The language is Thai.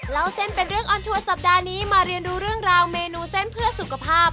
เล่าเส้นเป็นเรื่องออนทัวร์สัปดาห์นี้มาเรียนรู้เรื่องราวเมนูเส้นเพื่อสุขภาพ